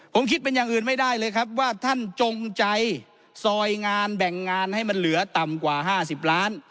ผมคิดเป็นอย่างอื่นไม่ได้เลยครับว่าท่านจงใจซอยงานแบ่งงานให้มันเหลือต่ำกว่า๕๐ล้าน